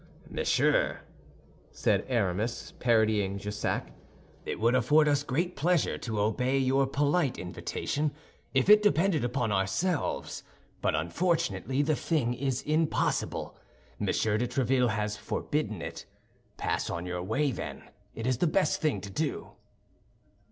"Monsieur," said Aramis, parodying Jussac, "it would afford us great pleasure to obey your polite invitation if it depended upon ourselves; but unfortunately the thing is impossible—Monsieur de Tréville has forbidden it. Pass on your way, then; it is the best thing to do."